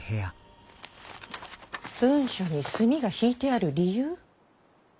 文書に墨が引いてある理由？